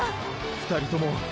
２人とも！！